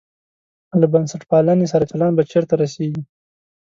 له بنسټپالنې سره چلند به چېرته رسېږي.